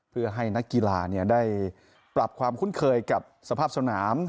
เพื่อให้นักกีฬาได้ปรับความคุ้นเคยกับสภาพสนาม